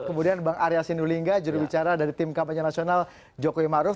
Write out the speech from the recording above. kemudian bang arya sinulinga jurubicara dari tim kampanye nasional jokowi maruf